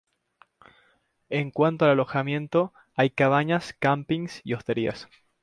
En cuanto al alojamiento, hay cabañas, campings y hosterías.